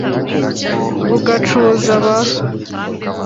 ugacuza ba so.